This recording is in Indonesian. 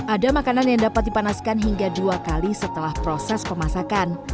ada makanan yang dapat dipanaskan hingga dua kali setelah proses pemasakan